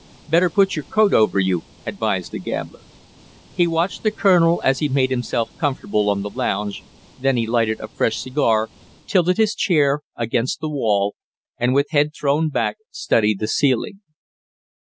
"Better put your coat over you," advised the gambler. He watched the colonel as he made himself comfortable on the lounge, then he lighted a fresh cigar, tilted his chair against the wall and with head thrown back studied the ceiling.